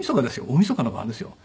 大みそかの晩ですよ。